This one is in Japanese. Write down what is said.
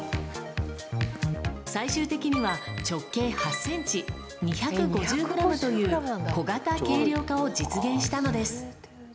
最終的には直径８センチ、２５０グラムという小型軽量化を実現したのです。